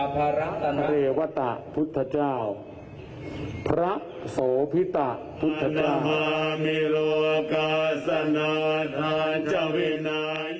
ข้อบูชาพระโสภิตตาพุทธเจ้าฯ